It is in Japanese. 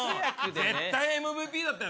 絶対ＭＶＰだったよね。